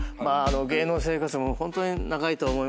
芸能生活もホントに長いと思いますし。